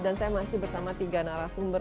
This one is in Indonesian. saya masih bersama tiga narasumber